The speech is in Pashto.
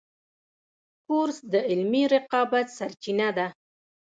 کورس د علمي رقابت سرچینه ده.